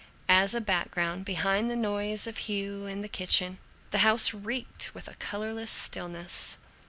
As a background, behind the noises of Hugh and the kitchen, the house reeked with a colorless stillness.